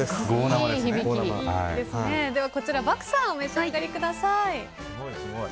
こちら、漠さんお召し上がりください。